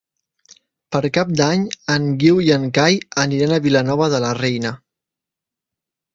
Per Cap d'Any en Guiu i en Cai aniran a Vilanova de la Reina.